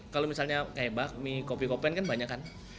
kalau misalnya kayak bakmi kopi kopen kan banyak kan